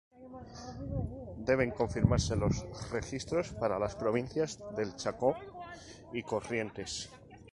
Deben confirmarse los registros para las provincias del Chaco y Corrientes.